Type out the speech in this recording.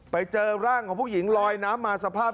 ไปเจอร่างของผู้หญิงลอยน้ำมาสภาพ